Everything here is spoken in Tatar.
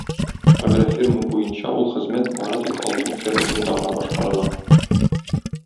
Агрофирма буенча ул хезмәт бары тик Алтын фермасында гына башкарыла.